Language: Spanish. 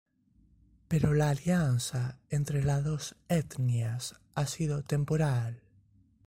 Pero la alianza entre las dos etnias ha sido temporal.